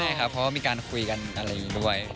ใช่ครับเพราะว่ามีการคุยกันอะไรอย่างนี้ด้วย